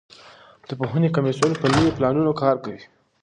د پوهنې کمیسیون په نویو پلانونو کار کوي.